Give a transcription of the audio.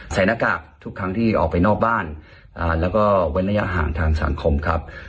หน้ากากทุกครั้งที่ออกไปนอกบ้านแล้วก็เว้นระยะห่างทางสังคมครับ